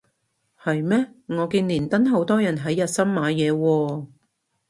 係咩我見連登好多人係日森買嘢喎